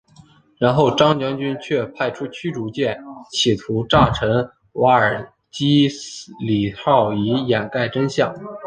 然后张将军却派出驱逐舰企图炸沉瓦尔基里号以掩盖真相。